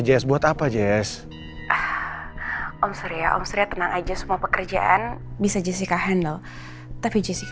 chat saya cemas sekali